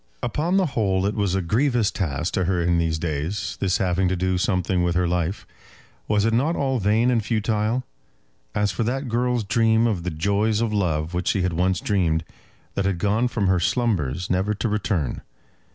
Upon the whole it was a grievous task to her in these days, this having to do something with her life. Was it not all vain and futile? As for that girl's dream of the joys of love which she had once dreamed, that had gone from her slumbers, never to return.